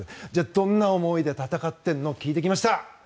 どんな思いで戦っているのか聞いてきました。